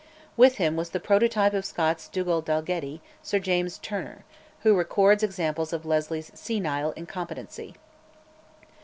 With him was the prototype of Scott's Dugald Dalgetty, Sir James Turner, who records examples of Leslie's senile incompetency.